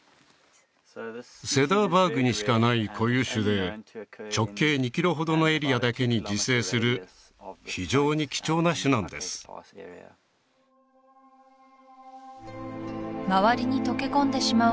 セダーバーグにしかない固有種で直径２ｋｍほどのエリアだけに自生する非常に貴重な種なんです